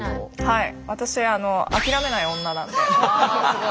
はい！